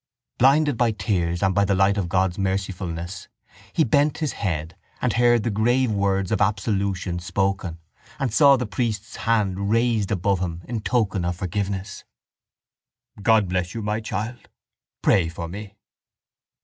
Blinded by his tears and by the light of God's mercifulness he bent his head and heard the grave words of absolution spoken and saw the priest's hand raised above him in token of forgiveness. —God bless you, my child. Pray for me.